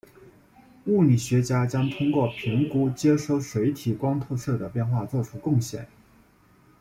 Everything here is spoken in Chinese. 物理学家将通过评估接收水体光透射的变化做出贡献。